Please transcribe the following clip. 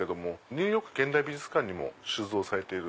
ニューヨーク近代美術館に収蔵されてる。